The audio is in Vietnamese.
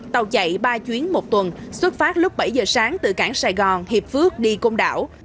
tàu chạy ba chuyến một tuần xuất phát lúc bảy giờ sáng từ cảng sài gòn hiệp phước đi công đảo